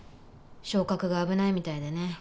昇格が危ないみたいでね。